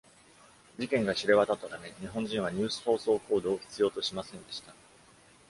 事件が知れ渡ったため、日本人はニュース放送コードを必要としませんでした。